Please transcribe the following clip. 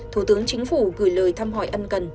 thủ tướng chính phủ gửi lời thăm hỏi ân cần